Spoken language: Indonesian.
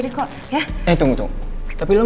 terima kasih ist instr putri itu